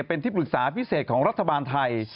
เป็นที่ปรึกษาพิเศษของรัฐบาลไทย